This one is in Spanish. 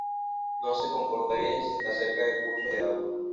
No se comporta bien si está cerca de cursos de agua.